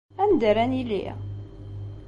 Anda ara nili?